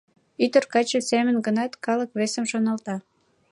Ӱдыр-каче семын гынат, калык весым шоналта.